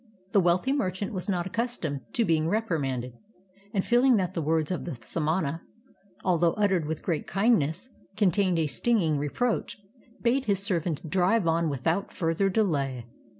The wealthy merchant was not accustomed to being reprimanded, and feeling that the words of the samana, although uttered with great kindness, contained a 45 INDL\ stinging reproach, bade his servant drive on without further delay.